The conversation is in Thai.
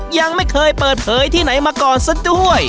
ยังไม่เคยเปิดเผยที่ไหนมาก่อนซะด้วย